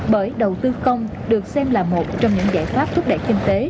bởi đầu tư công được xem là một trong những giải pháp thúc đẩy kinh tế